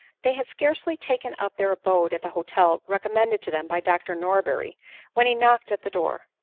They had scarcely taken up their abode at the hotel recommended to them by Dr Norberry, when he knock ed at the door.